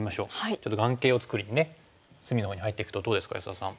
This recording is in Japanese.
ちょっと眼形を作りにね隅のほうに入っていくとどうですか安田さん。